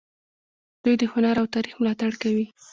دوی د هنر او تاریخ ملاتړ کوي.